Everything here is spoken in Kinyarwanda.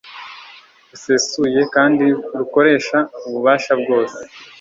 busesuye kandi rukoresha ububasha bwose